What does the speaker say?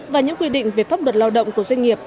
và những quy định về pháp luật lao động của doanh nghiệp